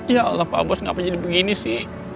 ya allah pak bos kenapa jadi begini sih